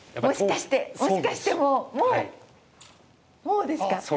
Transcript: もしかして、もうもう、ですか？